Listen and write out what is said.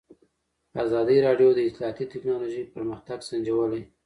ازادي راډیو د اطلاعاتی تکنالوژي پرمختګ سنجولی.